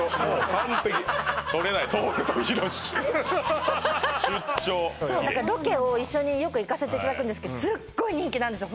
完璧取れないトオルとヒロシ出張そうロケを一緒によく行かせていただくんですけどすっごい人気なんですよ